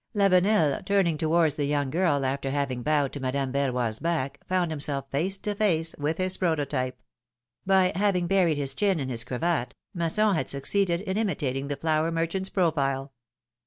Lavenel, turning towards the young girl, after having bowed to Madame Verroy's back, found himself face to face with his prototype; by having buried his chin in his cravat, Masson had succeeded in imitating the flour merchant's profile.